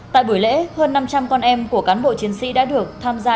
tại buổi lễ hơn năm trăm linh con em của cán bộ chiến sĩ đã được tham gia